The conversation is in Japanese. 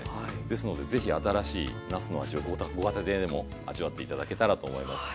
ですので是非新しいなすの味をご家庭でも味わって頂けたらと思います。